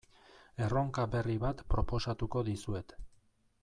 Erronka berri bat proposatuko dizuet.